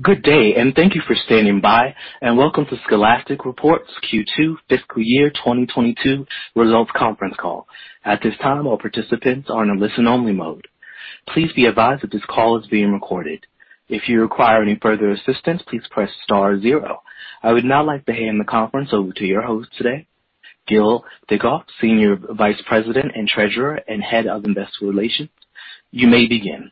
Good day, and thank you for standing by, and welcome to Scholastic reports Q2 fiscal year 2022 results conference call. At this time, all participants are in listen only mode. Please be advised that this call is being recorded. If you require any further assistance, please press star zero. I would now like to hand the conference over to your host today, Gil Dickoff, Senior Vice President and Treasurer and Head of Investor Relations. You may begin.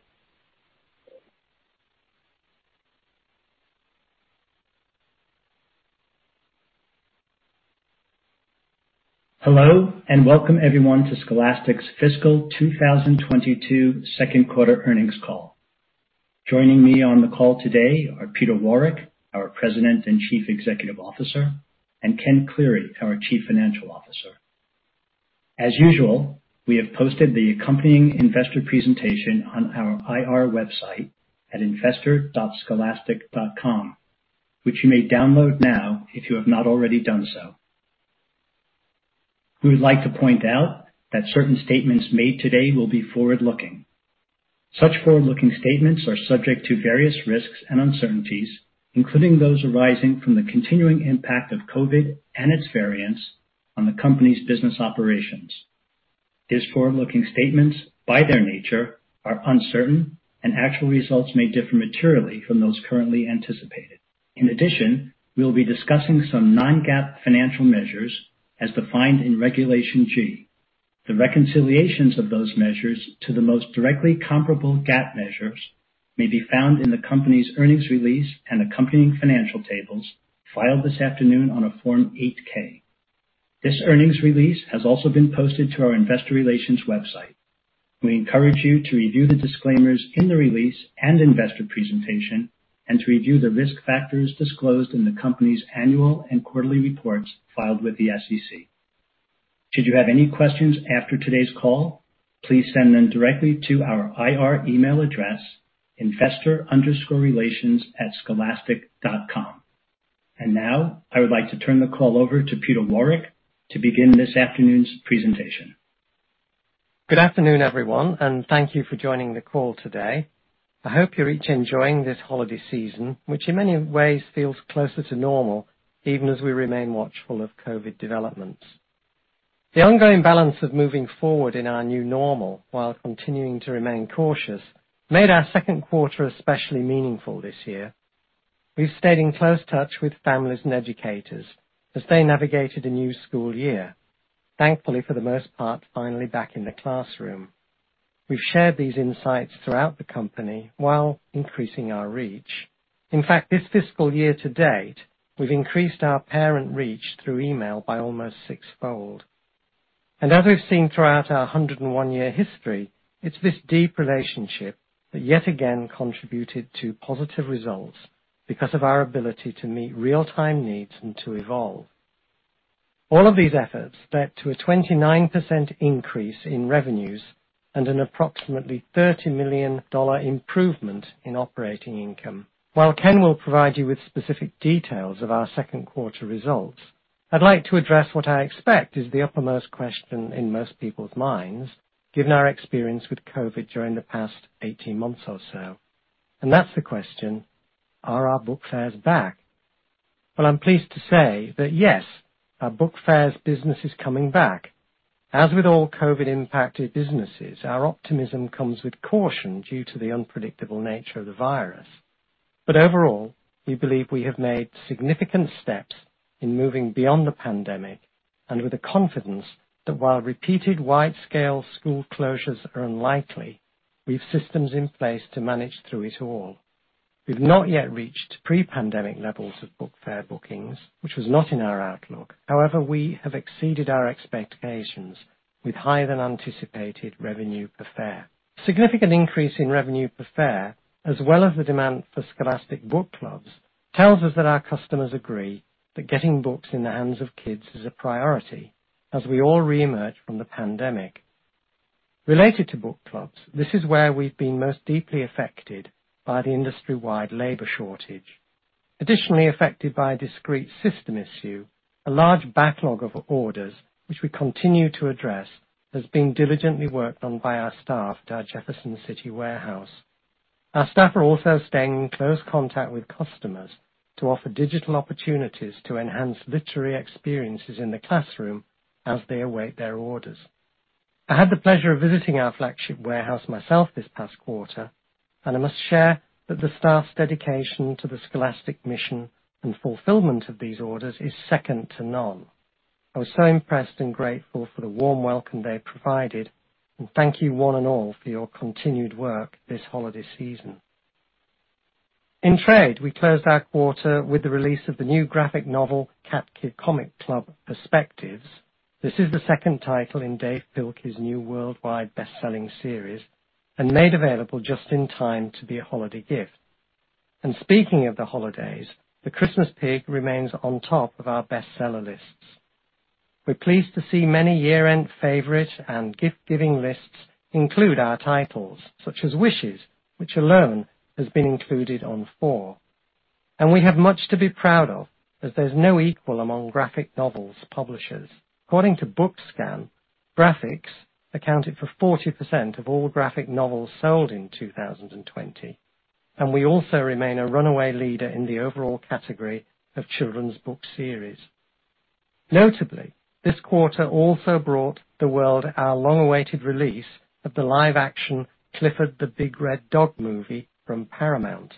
Hello, and welcome everyone to Scholastic's fiscal 2022 second quarter earnings call. Joining me on the call today are Peter Warwick, our President and Chief Executive Officer, and Ken Cleary, our Chief Financial Officer. As usual, we have posted the accompanying investor presentation on our IR website at investor.scholastic.com, which you may download now if you have not already done so. We would like to point out that certain statements made today will be forward-looking. Such forward-looking statements are subject to various risks and uncertainties, including those arising from the continuing impact of COVID and its variants on the company's business operations. These forward-looking statements, by their nature, are uncertain and actual results may differ materially from those currently anticipated. In addition, we'll be discussing some non-GAAP financial measures as defined in Regulation G. The reconciliations of those measures to the most directly comparable GAAP measures may be found in the company's earnings release and accompanying financial tables filed this afternoon on a Form 8-K. This earnings release has also been posted to our investor relations website. We encourage you to review the disclaimers in the release and investor presentation and to review the risk factors disclosed in the company's annual and quarterly reports filed with the SEC. Should you have any questions after today's call, please send them directly to our IR email address, investor_relations@scholastic.com. Now, I would like to turn the call over to Peter Warwick to begin this afternoon's presentation. Good afternoon everyone, and thank you for joining the call today. I hope you're each enjoying this holiday season, which in many ways feels closer to normal, even as we remain watchful of COVID developments. The ongoing balance of moving forward in our new normal while continuing to remain cautious made our second quarter especially meaningful this year. We've stayed in close touch with families and educators as they navigated a new school year, thankfully, for the most part, finally back in the classroom. We've shared these insights throughout the company while increasing our reach. In fact, this fiscal year to date, we've increased our parent reach through email by almost six-fold. As we've seen throughout our 101-year history, it's this deep relationship that yet again contributed to positive results because of our ability to meet real-time needs and to evolve. All of these efforts led to a 29% increase in revenues and an approximately $30 million dollar improvement in operating income. While Ken will provide you with specific details of our second quarter results, I'd like to address what I expect is the uppermost question in most people's minds, given our experience with COVID during the past 18 months or so. That's the question, are our Book Fairs back? Well, I'm pleased to say that yes, our Book Fairs business is coming back. As with all COVID-impacted businesses, our optimism comes with caution due to the unpredictable nature of the virus. Overall, we believe we have made significant steps in moving beyond the pandemic and with the confidence that while repeated wide-scale school closures are unlikely, we have systems in place to manage through it all. We've not yet reached pre-pandemic levels of book fair bookings, which was not in our outlook. However, we have exceeded our expectations with higher than anticipated revenue per fair. Significant increase in revenue per fair, as well as the demand for Scholastic Book Clubs, tells us that our customers agree that getting books in the hands of kids is a priority as we all reemerge from the pandemic. Related to book clubs, this is where we've been most deeply affected by the industry-wide labor shortage. Additionally affected by a discrete system issue, a large backlog of orders, which we continue to address, has been diligently worked on by our staff at our Jefferson City warehouse. Our staff are also staying in close contact with customers to offer digital opportunities to enhance literary experiences in the classroom as they await their orders. I had the pleasure of visiting our flagship warehouse myself this past quarter, and I must share that the staff's dedication to the Scholastic mission and fulfillment of these orders is second to none. I was so impressed and grateful for the warm welcome they provided, and thank you one and all for your continued work this holiday season. In trade, we closed our quarter with the release of the new graphic novel, Cat Kid Comic Club: Perspectives. This is the second title in Dav Pilkey's new worldwide best-selling series and made available just in time to be a holiday gift. Speaking of the holidays, The Christmas Pig remains on top of our bestseller lists. We're pleased to see many year-end favorite and gift-giving lists include our titles, such as Wishes, which alone has been included on four. We have much to be proud of, as there's no equal among graphic novels publishers. According to BookScan, Graphix accounted for 40% of all graphic novels sold in 2020. We also remain a runaway leader in the overall category of children's book series. Notably, this quarter also brought the world our long-awaited release of the live-action Clifford the Big Red Dog movie from Paramount.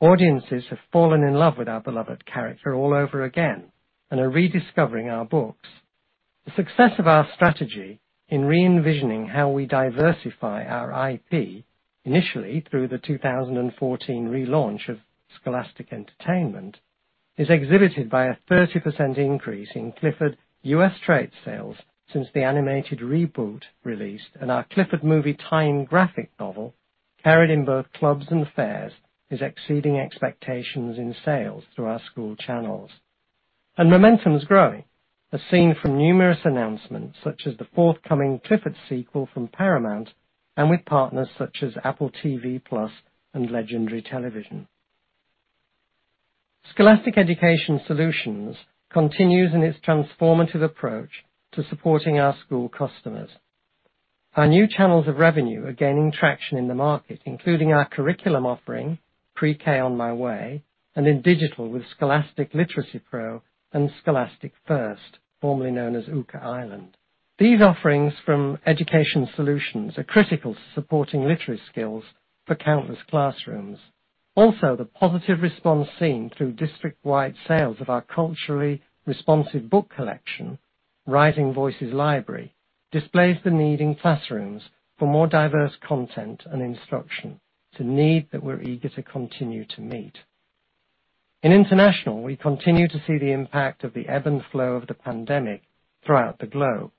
Audiences have fallen in love with our beloved character all over again and are rediscovering our books. The success of our strategy in re-envisioning how we diversify our IP, initially through the 2014 relaunch of Scholastic Entertainment, is exhibited by a 30% increase in Clifford U.S. trade sales since the animated reboot release. Our Clifford movie tie-in graphic novel, carried in both clubs and fairs, is exceeding expectations in sales through our school channels. Momentum is growing, as seen from numerous announcements, such as the forthcoming Clifford sequel from Paramount and with partners such as Apple TV+ and Legendary Television. Scholastic Education Solutions continues in its transformative approach to supporting our school customers. Our new channels of revenue are gaining traction in the market, including our curriculum offering, PreK On My Way, and in digital with Scholastic Literacy Pro and Scholastic F.I.R.S.T., formerly known as Ooka Island. These offerings from Education Solutions are critical to supporting literacy skills for countless classrooms. Also, the positive response seen through district-wide sales of our culturally responsive book collection, Rising Voices Library, displays the need in classrooms for more diverse content and instruction. It's a need that we're eager to continue to meet. In international, we continue to see the impact of the ebb and flow of the pandemic throughout the globe.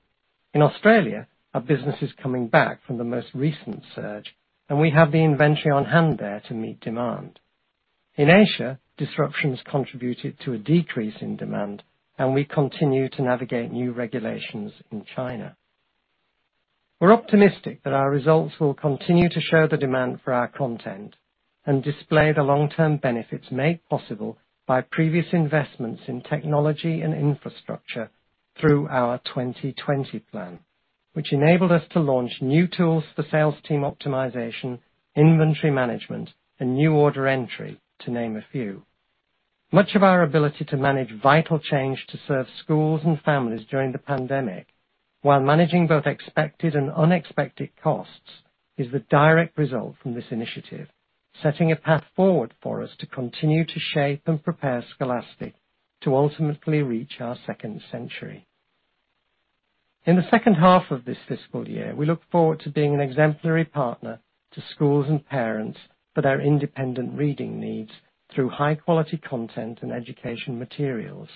In Australia, our business is coming back from the most recent surge, and we have the inventory on hand there to meet demand. In Asia, disruptions contributed to a decrease in demand, and we continue to navigate new regulations in China. We're optimistic that our results will continue to show the demand for our content and display the long-term benefits made possible by previous investments in technology and infrastructure through our 2020 plan, which enabled us to launch new tools for sales team optimization, inventory management, and new order entry, to name a few. Much of our ability to manage vital change to serve schools and families during the pandemic, while managing both expected and unexpected costs, is the direct result from this initiative, setting a path forward for us to continue to shape and prepare Scholastic to ultimately reach our second century. In the second half of this fiscal year, we look forward to being an exemplary partner to schools and parents for their independent reading needs through high-quality content and education materials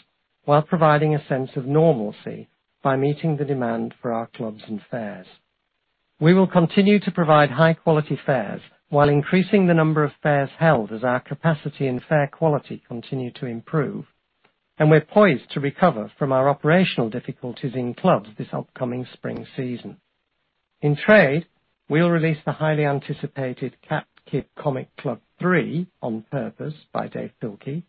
while providing a sense of normalcy by meeting the demand for our clubs and fairs. We will continue to provide high-quality fairs while increasing the number of fairs held as our capacity and fair quality continue to improve. We're poised to recover from our operational difficulties in clubs this upcoming spring season. In trade, we'll release the highly anticipated Cat Kid Comic Club 3, On Purpose, by Dav Pilkey,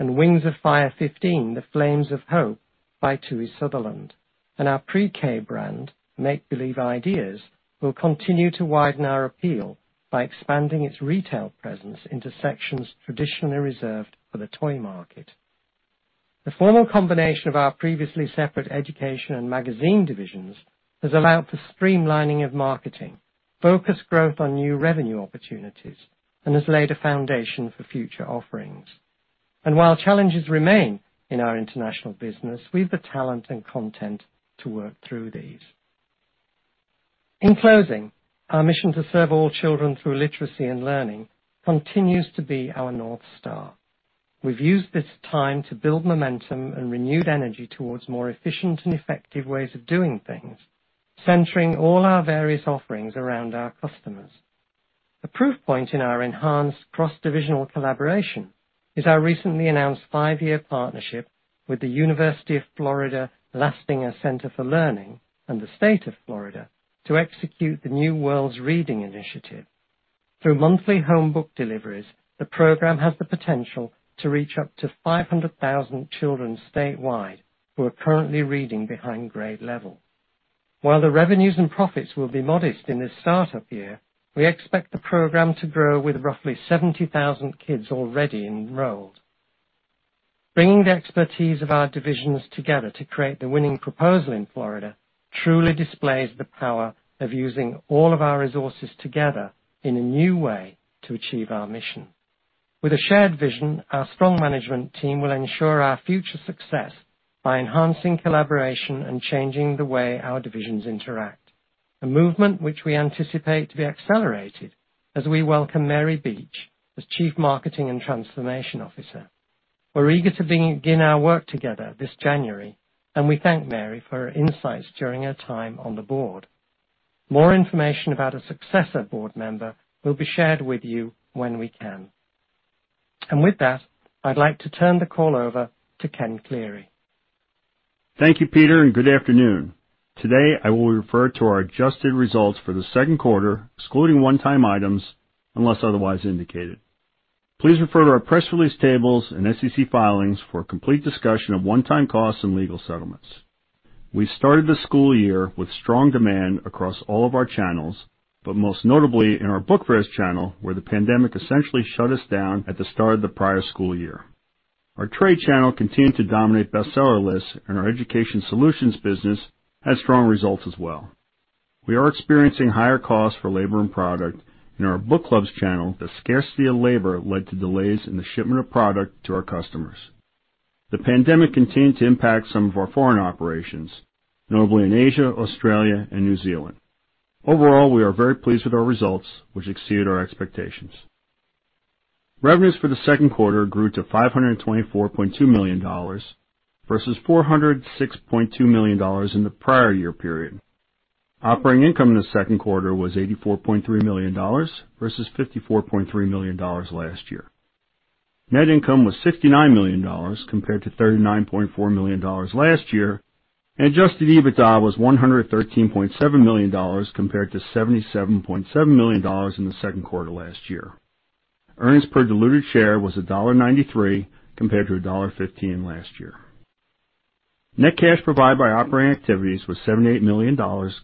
and Wings of Fire 15, The Flames of Hope by Tui T. Sutherland. Our pre-K brand, Make Believe Ideas, will continue to widen our appeal by expanding its retail presence into sections traditionally reserved for the toy market. The formal combination of our previously separate education and magazine divisions has allowed for streamlining of marketing, focus growth on new revenue opportunities, and has laid a foundation for future offerings. While challenges remain in our international business, we've the talent and content to work through these. In closing, our mission to serve all children through literacy and learning continues to be our North Star. We've used this time to build momentum and renewed energy towards more efficient and effective ways of doing things, centering all our various offerings around our customers. The proof point in our enhanced cross-divisional collaboration is our recently announced five-year partnership with the University of Florida Lastinger Center for Learning and the State of Florida to execute the New Worlds Reading Initiative. Through monthly home book deliveries, the program has the potential to reach up to 500,000 children statewide who are currently reading behind grade level. While the revenues and profits will be modest in this start-up year, we expect the program to grow with roughly 70,000 kids already enrolled. Bringing the expertise of our divisions together to create the winning proposal in Florida truly displays the power of using all of our resources together in a new way to achieve our mission. With a shared vision, our strong management team will ensure our future success by enhancing collaboration and changing the way our divisions interact. A movement which we anticipate to be accelerated as we welcome Mary Beech as Chief Marketing and Transformation Officer. We're eager to begin our work together this January, and we thank Mary for her insights during her time on the board. More information about a successor board member will be shared with you when we can. With that, I'd like to turn the call over to Ken Cleary. Thank you Peter, and good afternoon. Today, I will refer to our adjusted results for the second quarter, excluding one-time items, unless otherwise indicated. Please refer to our press release tables and SEC filings for a complete discussion of one-time costs and legal settlements. We started the school year with strong demand across all of our channels, but most notably in our Book Fairs channel, where the pandemic essentially shut us down at the start of the prior school year. Our Trade channel continued to dominate bestseller lists, and our Education Solutions business had strong results as well. We are experiencing higher costs for labor and product. In our Book Clubs channel, the scarcity of labor led to delays in the shipment of product to our customers. The pandemic continued to impact some of our foreign operations, notably in Asia, Australia, and New Zealand. Overall, we are very pleased with our results, which exceeded our expectations. Revenues for the second quarter grew to $524.2 million versus $406.2 million in the prior year period. Operating income in the second quarter was $84.3 million versus $54.3 million last year. Net income was $59 million compared to $39.4 million last year, and adjusted EBITDA was $113.7 million compared to $77.7 million in the second quarter last year. Earnings per diluted share was $1.93 compared to $1.15 last year. Net cash provided by operating activities was $78 million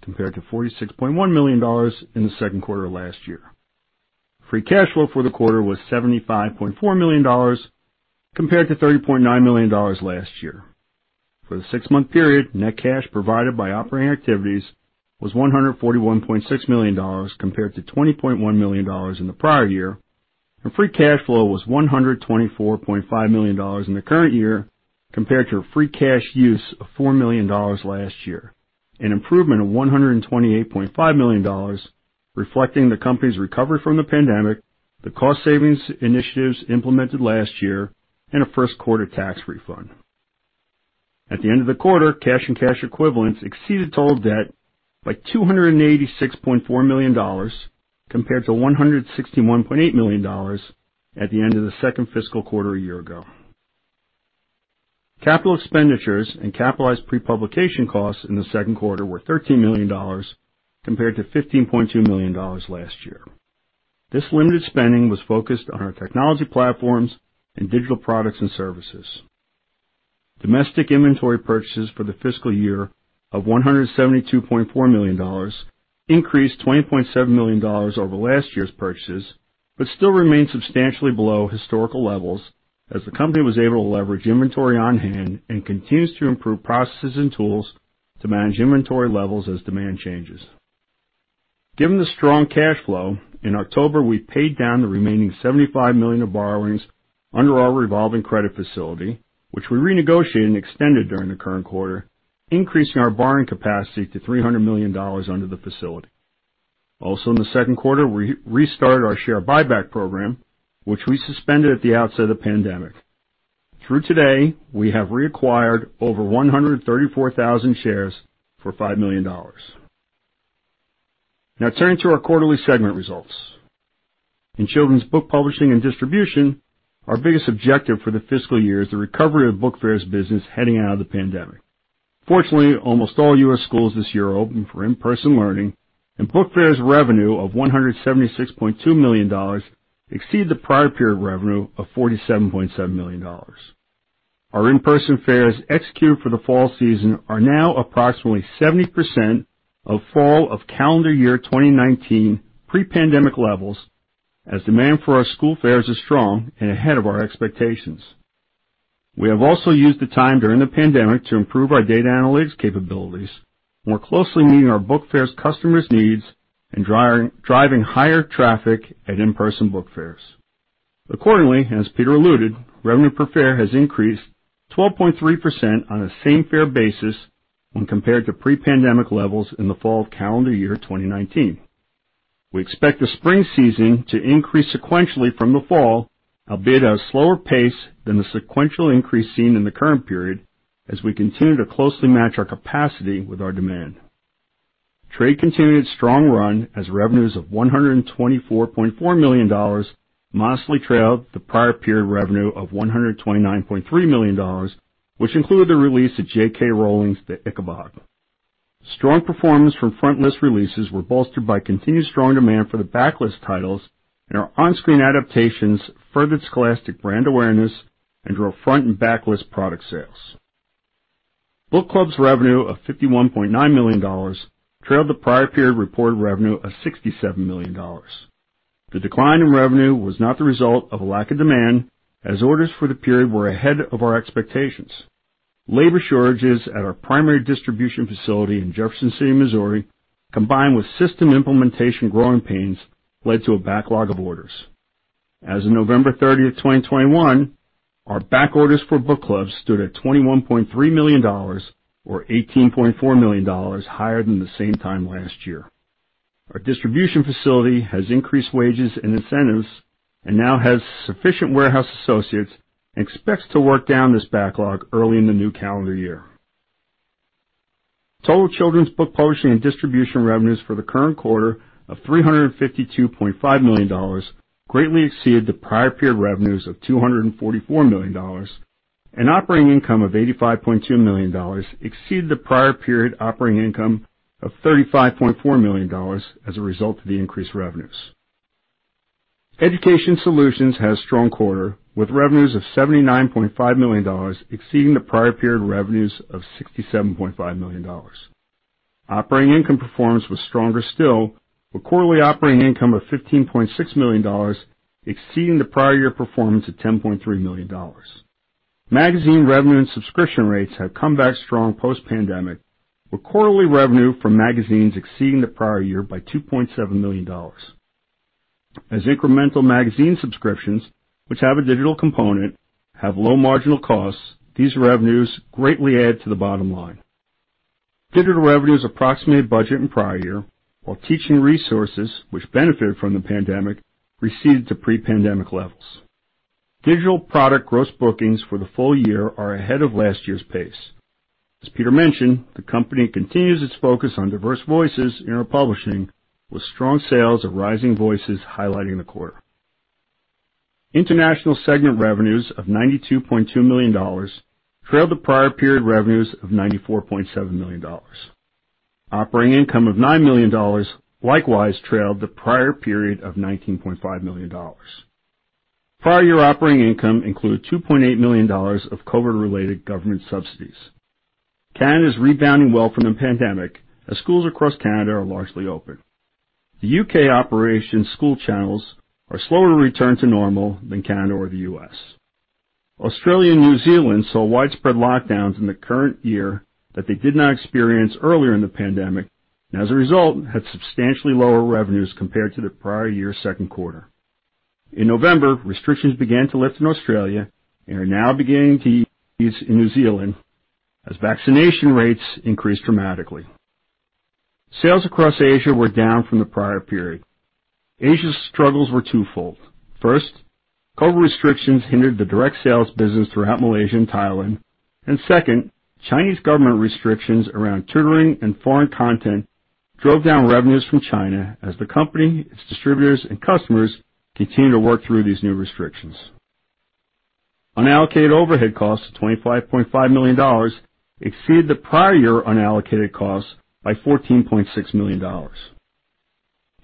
compared to $46.1 million in the second quarter last year. Free cash flow for the quarter was $75.4 million dollars compared to $30.9 million dollars last year. For the six-month period, net cash provided by operating activities was $141.6 million dollars compared to $20.1 million dollars in the prior year. Free cash flow was $124.5 million dollars in the current year compared to free cash use of $4 million dollars last year, an improvement of $128.5 million dollars, reflecting the company's recovery from the pandemic, the cost savings initiatives implemented last year, and a first quarter tax refund. At the end of the quarter, cash and cash equivalents exceeded total debt by $286.4 million compared to $161.8 million at the end of the second fiscal quarter a year ago. Capital expenditures and capitalized pre-publication costs in the second quarter were $13 million compared to $15.2 million last year. This limited spending was focused on our technology platforms and digital products and services. Domestic inventory purchases for the fiscal year of $172.4 million increased $20.7 million over last year's purchases, but still remain substantially below historical levels as the company was able to leverage inventory on hand and continues to improve processes and tools to manage inventory levels as demand changes. Given the strong cash flow, in October, we paid down the remaining $75 million of borrowings under our revolving credit facility, which we renegotiated and extended during the current quarter, increasing our borrowing capacity to $300 million under the facility. Also in the second quarter, we restarted our share buyback program, which we suspended at the outset of the pandemic. Through today, we have reacquired over 134,000 shares for $5 million. Now turning to our quarterly segment results. In Children's Book Publishing and Distribution, our biggest objective for the fiscal year is the recovery of Book Fairs business heading out of the pandemic. Fortunately, almost all U.S. schools this year are open for in-person learning, and Book Fairs revenue of $176.2 million exceed the prior period revenue of $47.7 million. Our in-person fairs executed for the fall season are now approximately 70% of fall of calendar year 2019 pre-pandemic levels as demand for our school fairs is strong and ahead of our expectations. We have also used the time during the pandemic to improve our data analytics capabilities, more closely meeting our Book Fairs customers' needs and driving higher traffic at in-person book fairs. Accordingly, as Peter alluded, revenue per fair has increased 12.3% on a same fair basis when compared to pre-pandemic levels in the fall of calendar year 2019. We expect the spring season to increase sequentially from the fall, albeit at a slower pace than the sequential increase seen in the current period, as we continue to closely match our capacity with our demand. Trade continued its strong run as revenues of $124.4 million modestly trailed the prior period revenue of $129.3 million, which included the release of J.K. Rowling's The Ickabog. Strong performance from frontlist releases were bolstered by continued strong demand for the backlist titles, and our on-screen adaptations furthered Scholastic brand awareness and drove front and backlist product sales. Book Clubs revenue of $51.9 million trailed the prior period reported revenue of $67 million. The decline in revenue was not the result of a lack of demand, as orders for the period were ahead of our expectations. Labor shortages at our primary distribution facility in Jefferson City, Missouri, combined with system implementation growing pains, led to a backlog of orders. As of November 30th, 2021, our backorders for Book Clubs stood at $21.3 million or $18.4 million higher than the same time last year. Our distribution facility has increased wages and incentives and now has sufficient warehouse associates and expects to work down this backlog early in the new calendar year. Total Children's Book Publishing and Distribution revenues for the current quarter of $352.5 million greatly exceeded the prior period revenues of $244 million. Operating income of $85.2 million exceeded the prior period operating income of $35.4 million as a result of the increased revenues. Education Solutions had a strong quarter, with revenues of $79.5 million exceeding the prior period revenues of $67.5 million. Operating income performance was stronger still, with quarterly operating income of $15.6 million exceeding the prior year performance of $10.3 million. Magazine revenue and subscription rates have come back strong post-pandemic, with quarterly revenue from magazines exceeding the prior year by $2.7 million. As incremental magazine subscriptions, which have a digital component, have low marginal costs, these revenues greatly add to the bottom line. Digital revenues approximated budget in prior year, while teaching resources, which benefited from the pandemic, receded to pre-pandemic levels. Digital product gross bookings for the full year are ahead of last year's pace. As Peter mentioned, the company continues its focus on diverse voices in our publishing, with strong sales of Rising Voices highlighting the quarter. International segment revenues of $92.2 million trailed the prior period revenues of $94.7 million. Operating income of $9 million likewise trailed the prior period of $19.5 million. Prior year operating income included $2.8 million of COVID-related government subsidies. Canada is rebounding well from the pandemic as schools across Canada are largely open. The U.K. operation school channels are slower to return to normal than Canada or the U.S. Australia and New Zealand saw widespread lockdowns in the current year that they did not experience earlier in the pandemic, and as a result, had substantially lower revenues compared to the prior year's second quarter. In November, restrictions began to lift in Australia and are now beginning to ease in New Zealand as vaccination rates increase dramatically. Sales across Asia were down from the prior period. Asia's struggles were twofold. First, COVID restrictions hindered the direct sales business throughout Malaysia and Thailand. Second, Chinese government restrictions around tutoring and foreign content drove down revenues from China as the company, its distributors, and customers continue to work through these new restrictions. Unallocated overhead costs of $25.5 million exceed the prior year unallocated costs by $14.6 million.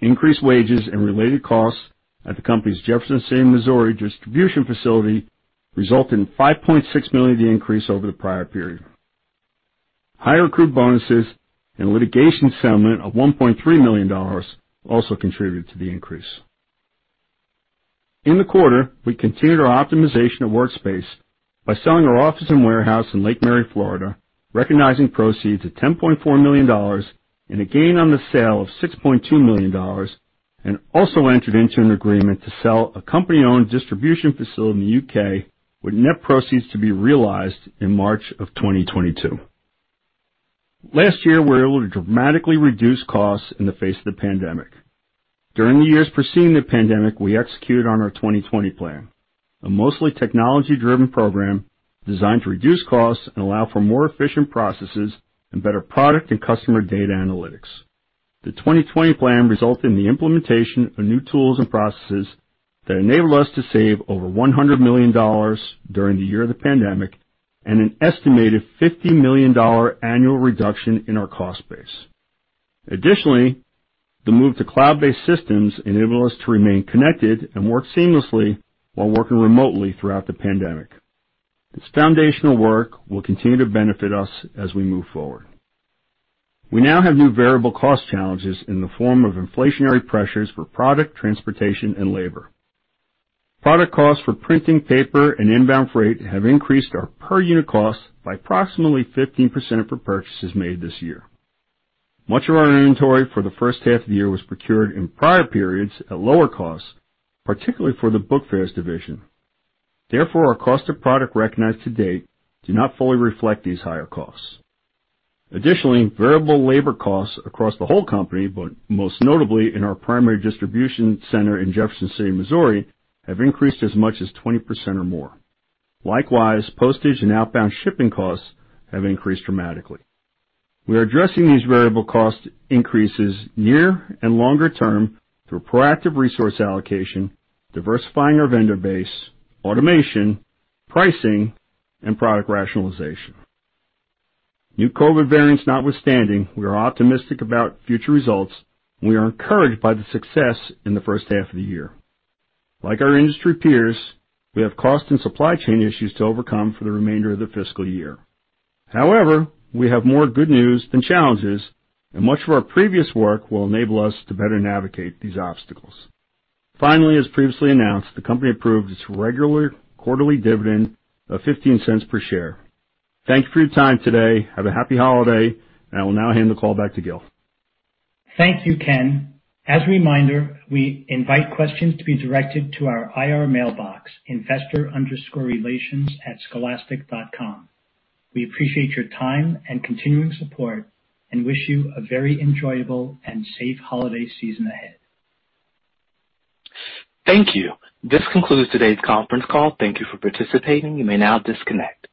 Increased wages and related costs at the company's Jefferson City, Missouri, distribution facility result in $5.6 million of the increase over the prior period. Higher accrued bonuses and litigation settlement of $1.3 million also contributed to the increase. In the quarter, we continued our optimization of workspace by selling our office and warehouse in Lake Mary Florida, recognizing proceeds of $10.4 million and a gain on the sale of $6.2 million, and also entered into an agreement to sell a company-owned distribution facility in the U.K., with net proceeds to be realized in March 2022. Last year, we were able to dramatically reduce costs in the face of the pandemic. During the years preceding the pandemic, we executed on our Scholastic 2020 plan, a mostly technology-driven program designed to reduce costs and allow for more efficient processes and better product and customer data analytics. The Scholastic 2020 plan resulted in the implementation of new tools and processes that enabled us to save over $100 million during the year of the pandemic and an estimated $50 million annual reduction in our cost base. Additionally, the move to cloud-based systems enabled us to remain connected and work seamlessly while working remotely throughout the pandemic. This foundational work will continue to benefit us as we move forward. We now have new variable cost challenges in the form of inflationary pressures for product, transportation, and labor. Product costs for printing paper and inbound freight have increased our per unit cost by approximately 15% for purchases made this year. Much of our inventory for the first half of the year was procured in prior periods at lower costs, particularly for the Book Fairs division. Therefore, our cost of product recognized to date do not fully reflect these higher costs. Additionally, variable labor costs across the whole company, but most notably in our primary distribution center in Jefferson City Missouri, have increased as much as 20% or more. Likewise, postage and outbound shipping costs have increased dramatically. We are addressing these variable cost increases year and longer term through proactive resource allocation, diversifying our vendor base, automation, pricing, and product rationalization. New COVID variants notwithstanding, we are optimistic about future results. We are encouraged by the success in the first half of the year. Like our industry peers, we have cost and supply chain issues to overcome for the remainder of the fiscal year. However, we have more good news than challenges, and much of our previous work will enable us to better navigate these obstacles. Finally as previously announced, the company approved its regular quarterly dividend of $0.15 per share. Thank you for your time today. Have a happy holiday. I will now hand the call back to Gil. Thank you Ken. As a reminder, we invite questions to be directed to our IR mailbox, investor underscore relations at scholastic.com. We appreciate your time and continuing support and wish you a very enjoyable and safe holiday season ahead. Thank you. This concludes today's conference call. Thank you for participating. You may now disconnect.